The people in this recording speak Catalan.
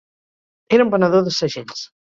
Era un venedor de segells.